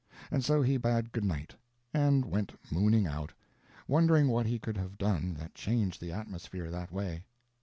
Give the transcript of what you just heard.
And so he bade goodnight, and went mooning out, wondering what he could have done that changed the atmosphere that way.